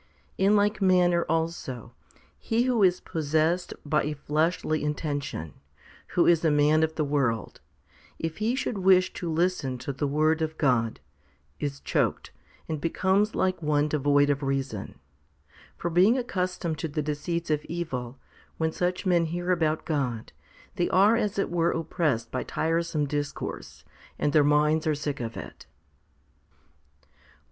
1 In like manner also he who is possessed by a fleshly intention, who is a man of the world, if he should wish to listen to the Word of God, is choked, and becomes like one devoid of reason ; for, being accustomed to the deceits of evil, when such men hear about God, they are as it were oppressed by tiresome discourse, and their minds are sick of it.